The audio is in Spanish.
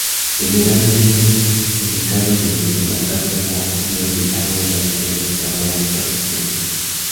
Generalmente el decano dirige la cátedra universitaria de las diferentes carreras profesionales.